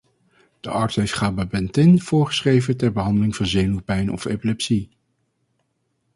De arts heeft gabapentin voorgeschreven ter behandeling van zenuwpijn of epilepsie.